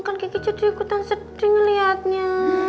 kan kiki jadi ikutan sedih ngelihatnya